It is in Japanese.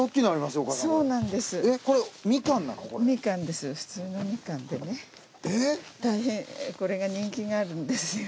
たいへんこれが人気があるんですよ。